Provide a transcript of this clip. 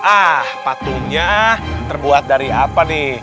ah patunya terbuat dari apa nih